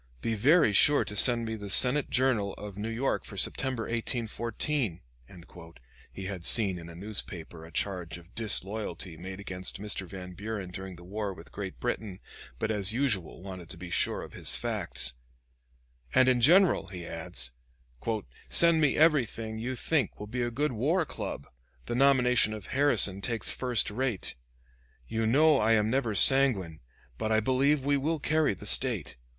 Be very sure to send me the Senate Journal of New York for September, 1814," he had seen in a newspaper a charge of disloyalty made against Mr. Van Buren during the war with Great Britain, but, as usual, wanted to be sure of his facts, "and in general," he adds, "send me everything you think will be a good war club, The nomination of Harrison takes first rate. You know I am never sanguine; but I believe we will carry the State.